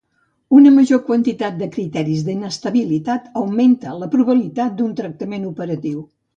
Una major quantitat de criteris d'inestabilitat augmenta la probabilitat d'un tractament operatiu.